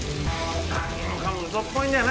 何もかも嘘っぽいんだよな